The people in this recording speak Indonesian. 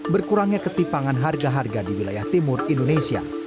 berkurangnya ketipangan harga harga di wilayah timur indonesia